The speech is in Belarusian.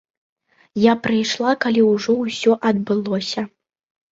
Я прыйшла, калі ўжо ўсё адбылося.